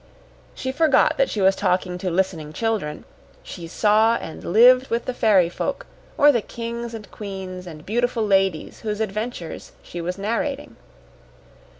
She forgot that she was talking to listening children; she saw and lived with the fairy folk, or the kings and queens and beautiful ladies, whose adventures she was narrating.